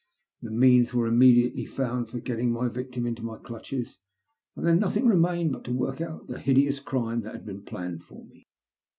The means were immediately found for getting my victim into my clutches, and then nothing remained bat to work out the hideous crime that had been planned for me."